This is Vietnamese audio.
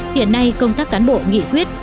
hiện nay công tác cán bộ nghị quyết